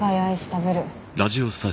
食べる